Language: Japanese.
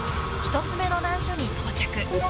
１つ目の難所に到着。